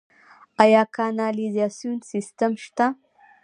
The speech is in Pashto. آیا کانالیزاسیون سیستم شته؟